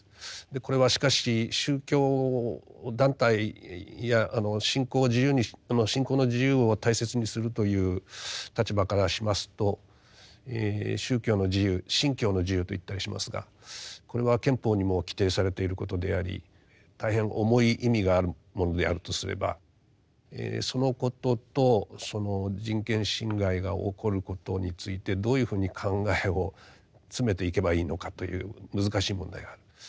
これはしかし宗教団体や信仰の自由を大切にするという立場からしますと宗教の自由信教の自由と言ったりしますがこれは憲法にも規定されていることであり大変重い意味があるものであるとすればそのこととその人権侵害が起こることについてどういうふうに考えを詰めていけばいいのかという難しい問題がある。